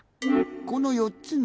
この４つのもじ。